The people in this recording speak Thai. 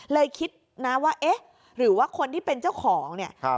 คิดนะว่าเอ๊ะหรือว่าคนที่เป็นเจ้าของเนี่ย